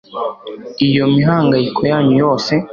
iyo mihangayiko yanyu yose